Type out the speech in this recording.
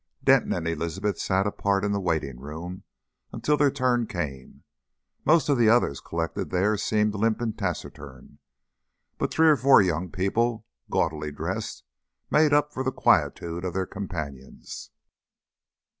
Denton and Elizabeth sat apart in the waiting room until their turn came. Most of the others collected there seemed limp and taciturn, but three or four young people gaudily dressed made up for the quietude of their companions.